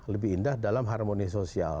lebih indah dalam harmoni sosial